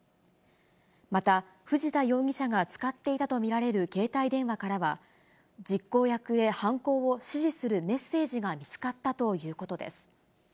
また、藤田容疑者が使っていたと見られる携帯電話からは、実行役へ犯行を指示するメッセージが見つかったということです。